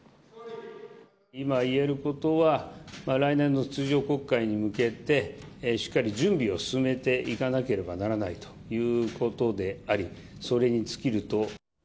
今言えることは、来年の通常国会に向けてしっかり準備を進めていかなければならないということであり、それに尽きると。